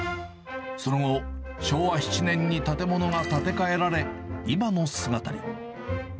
その後、昭和７年に建物が建て替えられ、今の姿に。